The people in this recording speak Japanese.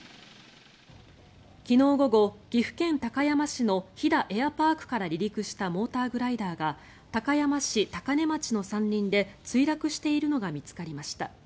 昨日午後、岐阜県高山市の飛騨エアパークから離陸したモーターグライダーが高山市高根町の山林で墜落しているのが見つかりました。